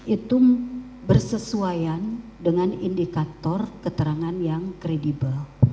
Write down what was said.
itu bersesuaian dengan indikator keterangan yang kredibel